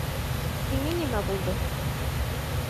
Һиңә нимә булды?